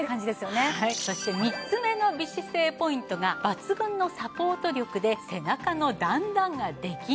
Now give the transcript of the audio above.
そして３つ目の美姿勢ポイントが抜群のサポート力で背中の段々ができにくいと。